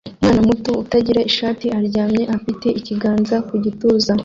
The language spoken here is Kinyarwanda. Umwana muto utagira ishati aryamye afite ikiganza ku gituza